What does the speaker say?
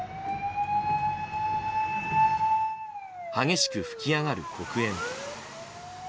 激しく噴き上がる黒煙。